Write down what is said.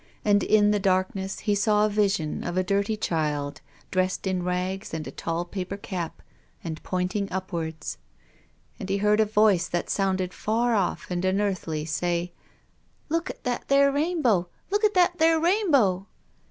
And in the darkness he saw a vision of a dirty child, dressed in rags and a tall paper cap, and pointing upwards. And he heard a voice, that sounded far off and unearthly, say :" Look at that there rainbow ! Look at that there rainbow